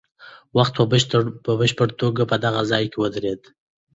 وخت په بشپړه توګه په دغه ځای کې ودرېد.